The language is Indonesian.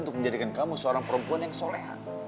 untuk menjadikan kamu seorang perempuan yang solehan